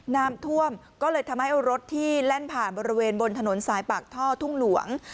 น้ำท่วมก็เลยทำให้รถที่แล่นผ่านบริเวณบนถนนสายปากท่อทุ่งหลวง